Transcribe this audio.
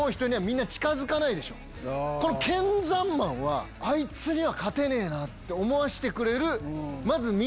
この剣山マンは「あいつには勝てねえ」って思わしてくれる。